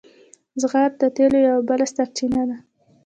زغر د تیلو یوه بله سرچینه ده.